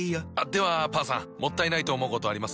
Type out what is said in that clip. ではパンさんもったいないと思うことあります？